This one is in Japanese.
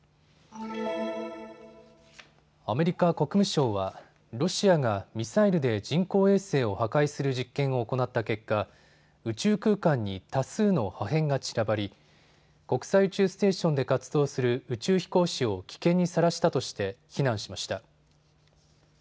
アメリカ国務省はロシアがミサイルで人工衛星を破壊する実験を行った結果、宇宙空間に多数の破片が散らばり国際宇宙ステーションで活動する宇宙飛行士を危険にさらしたとして非難しました。